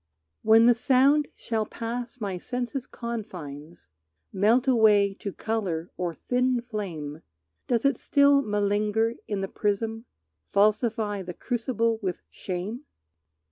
When the sound shall pass my sense's confines, Melt away to color or thin flame, Does it still malinger in the prism, Falsify the crucible with shame?